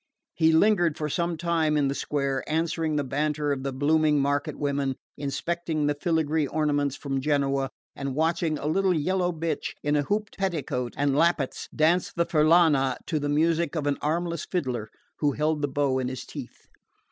He lingered for some time in the square, answering the banter of the blooming market women, inspecting the filigree ornaments from Genoa, and watching a little yellow bitch in a hooped petticoat and lappets dance the furlana to the music of an armless fiddler who held the bow in his teeth.